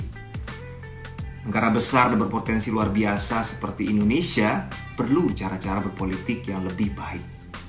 negara besar dan berpotensi luar biasa seperti indonesia perlu cara cara berpolitik yang lebih baik